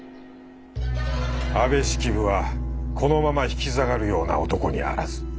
安部式部はこのまま引き下がるような男にあらず。